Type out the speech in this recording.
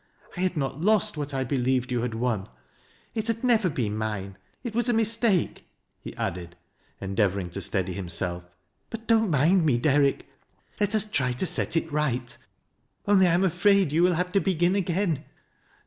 I had not lost what 1 . believed you had won. It had never been mine. It was a mistake," lie added, endeavoring to steady himself. " Bu! don't mind me, Derrick. Let us try to set it right ; only 1 am afraid you will have to begin again."